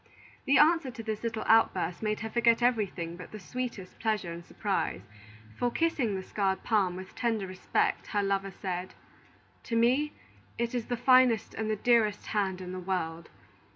The answer to this little outburst made her forget everything but the sweetest pleasure and surprise; for, kissing the scarred palm with tender respect, her lover said: "To me it is the finest and the dearest hand in the world.